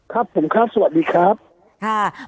ครับผมครับสวัสดีครับค่ะ